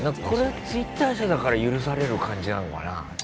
これはツイッター社だから許される感じなのかなぁ。